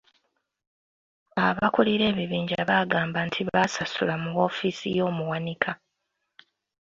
Abakulira ebibiinja bagamba nti baasasula mu woofiisi y'omuwanika.